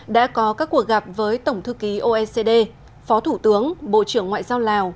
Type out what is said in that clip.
đã có các cuộc gặp với tổng thư ký oecd phó thủ tướng bộ trưởng ngoại giao lào